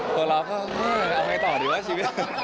ตัวเราก็เอาไงต่อดีวะชีวิต